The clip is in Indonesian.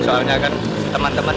soalnya kan teman teman